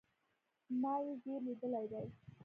ما ئې زور ليدلى دئ